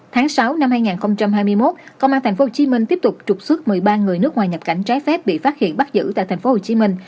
tháng sáu năm hai nghìn hai mươi một công an tp hcm tiếp tục trục xuất một mươi ba người nước ngoài nhập cảnh trái phép bị phát hiện bắt giữ tại tp hcm